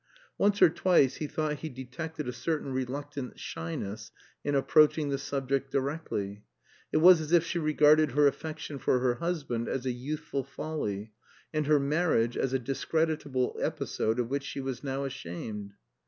Once or twice he thought he detected a certain reluctant shyness in approaching the subject directly. It was as if she regarded her affection for her husband as a youthful folly, and her marriage as a discreditable episode of which she was now ashamed.